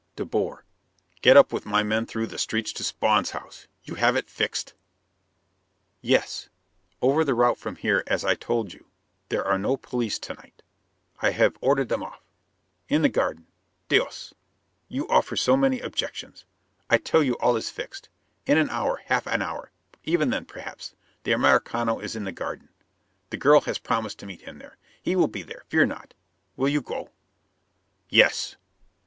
De Boer: "... Get up with my men through the streets to Spawn's house? You have it fixed?" "Yes. Over the route from here as I told you, there are no police to night. I have ordered them off. In the garden. Dios! You offer so many objections! I tell you all is fixed. In an hour, half an hour; even now, perhaps, the Americano is in the garden. The girl has promised to meet him there. He will be there, fear not. Will you go?" "Yes."